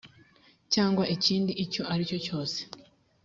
cyangwa ikindi icyo ari cyo cyose